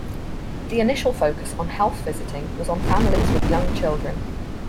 The initial focus of health visiting was on families with young children.